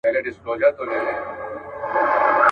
رسنۍ پوهاوی زیاتوي.